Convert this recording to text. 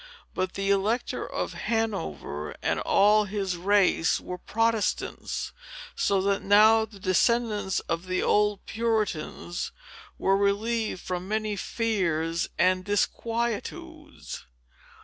But the Elector of Hanover, and all his race, were Protestants; so that now the descendants of the old Puritans were relieved from many fears and disquietudes.